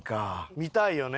見たいよね。